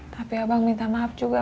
tapi abang minta maaf juga